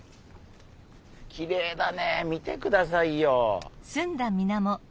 きれいだね見てくださいよ。